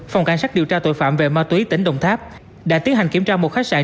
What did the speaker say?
phòng cảnh sát điều tra tội phạm về ma túy tỉnh đồng tháp đã tiến hành kiểm tra một khách sạn